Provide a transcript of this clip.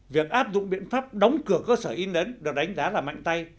việc áp dụng biện pháp đóng cửa cơ sở in ấn được đánh giá là mạnh tay